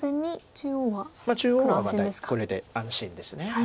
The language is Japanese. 中央はこれで安心です。